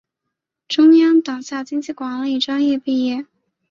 中央党校经济管理专业毕业。